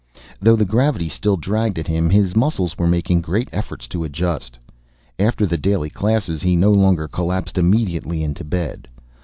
Though the gravity still dragged at him, his muscles were making great efforts to adjust. After the daily classes he no longer collapsed immediately into bed.